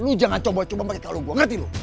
lu jangan coba coba pake kalung gua ngerti lu